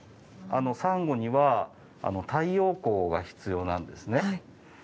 サンゴには太陽光が必要なんですね。